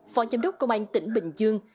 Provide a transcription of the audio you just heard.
phó chám đốc công an tỉnh bình dương